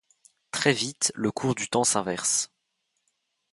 Très vite, le cours du temps s'inverse.